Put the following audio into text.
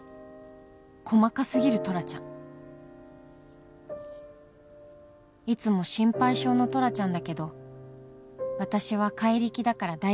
「細かすぎるトラちゃん」「いつも心配性のトラちゃんだけど私は怪力だから大丈夫」